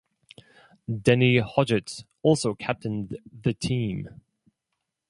Denny Hodgetts also captained the team.